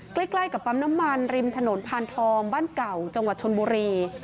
ใกล้กับปั๊มน้ำมันริมถนนพานทองบ้านเก่าจังหวัดชนบุรี